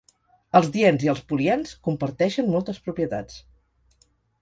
Els diens i els poliens comparteixen moltes propietats.